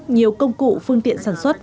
nhiều công cụ phương tiện sản xuất